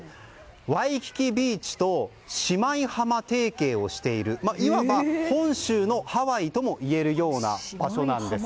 ワイキキビーチと姉妹浜提携をしているいわば本州のハワイともいえるような場所です。